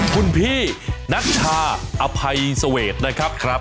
คุณพี่นัชชาอภัยสเวทนะครับ